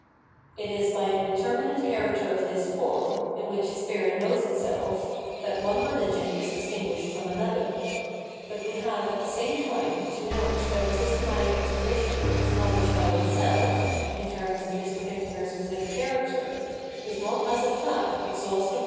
It is by the determinate character of this form, in w^hich spirit knows itself, that one rehgion is dis tinguished from another. But we have at the same time to note that the systematic exposition of this knowledge about itself, in terms of this particular specific character, does not as a fact exhaust the whole * Primarily Oriental religion.